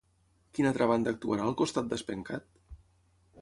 Quina altra banda actuarà al costat d'Aspencat?